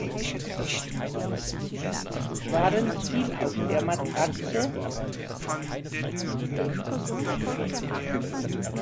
Waren’s viel auf der Matratze?